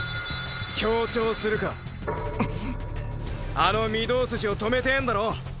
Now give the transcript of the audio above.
あの御堂筋を止めてぇんだろ。